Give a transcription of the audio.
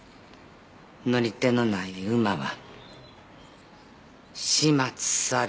乗り手のない馬は始末される。